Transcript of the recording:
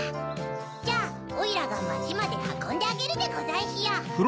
じゃあおいらがまちまではこんであげるでござんしゅよ。